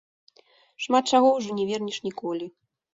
Шмат чаго ужо не вернеш ніколі.